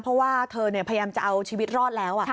เพราะว่าเธอพยายามจะเอาชีวิตรอดแล้ว